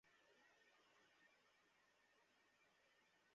আসলে আমি এখানকার নই।